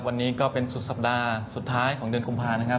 วันนี้ก็เป็นสุดสัปดาห์สุดท้ายของเดือนกุมภานะครับ